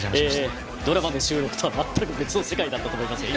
ドラマの収録とは全く別の世界だったと思いますが。